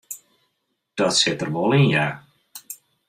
Dat sit der wol yn ja.